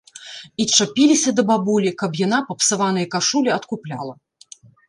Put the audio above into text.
І чапіліся да бабулі, каб яна папсаваныя кашулі адкупляла.